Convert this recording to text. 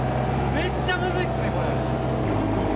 めっちゃムズイっすねこれ。